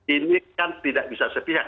ini kan tidak bisa sepihak